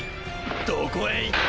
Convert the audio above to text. どこへ行った？